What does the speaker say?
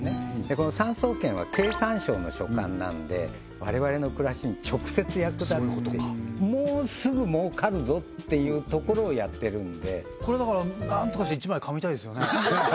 この産総研は経産省の所管なので我々の暮らしに直接役立つっていうもうすぐ儲かるぞっていうところをやってるのでこれだから何とかして一枚かみたいですよね